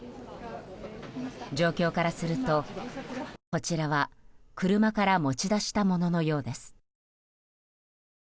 状況からすると、こちらは車から持ち出したもののようです。